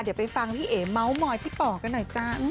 เดี๋ยวไปฟังพี่เอ๋เมาส์มอยพี่ป๋อกันหน่อยจ้า